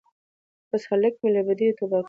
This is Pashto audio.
بس هلک مي له بدیو توبه ګار کړ